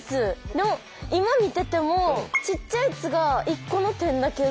でも今見ててもちっちゃい「つ」が１個の点だけど。